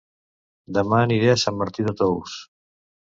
Dema aniré a Sant Martí de Tous